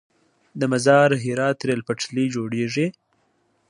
د مزار - هرات ریل پټلۍ جوړیږي؟